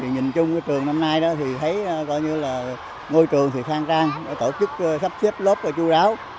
nhìn chung trường năm nay ngôi trường thì khang trang tổ chức sắp xếp lớp chú ráo